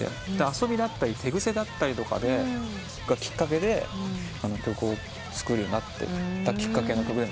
遊びだったり手癖だったりとかがきっかけで曲を作るようになったきっかけの曲でもあります。